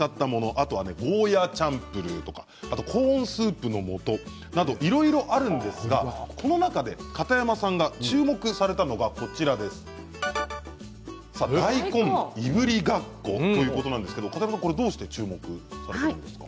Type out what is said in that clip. あとゴーヤーチャンプルーコーンスープのもとなどいろいろあるんですがこの中で片山さんが注目されたのが大根、いぶりがっここれはどうして注目なんですか。